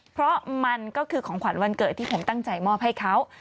เพราะมันก็คือของขวัญวันเกิดที่ผมตั้งใจมอบให้เขา